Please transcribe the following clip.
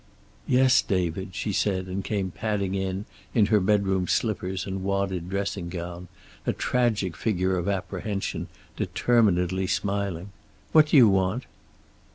"Yes, David," she said, and came padding in in her bedroom slippers and wadded dressing gown, a tragic figure of apprehension, determinedly smiling. "What do you want?"